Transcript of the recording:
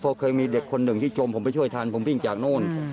เพราะเคยมีเด็กคนหนึ่งที่จมผมไปช่วยทันผมวิ่งจากนู่น